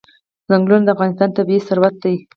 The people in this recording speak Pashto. افغانستان د پامیر د ساتنې لپاره قوانین لري.